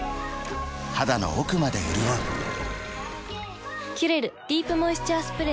肌の奥まで潤う「キュレルディープモイスチャースプレー」